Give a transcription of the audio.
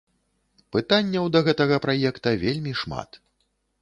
Пытанняў да гэтага праекта вельмі шмат.